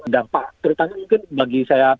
dampak terutama mungkin bagi saya